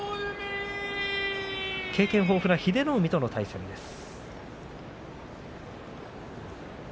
経験豊富な英乃海との対戦です。